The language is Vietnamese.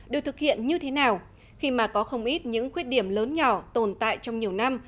được thực hiện như thế nào khi mà có không ít những khuyết điểm lớn nhỏ tồn tại trong nhiều năm